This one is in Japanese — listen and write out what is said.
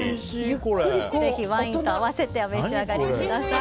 ぜひワインと合わせてお召し上がりください。